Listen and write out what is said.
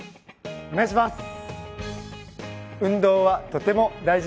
お願いします！